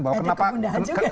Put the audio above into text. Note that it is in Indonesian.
ada kemudahan juga